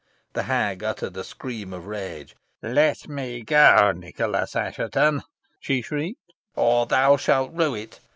The hag uttered a scream of rage. "Let me go, Nicholas Assheton," she shrieked, "or thou shalt rue it.